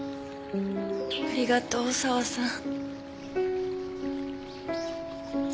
ありがとう沢さん。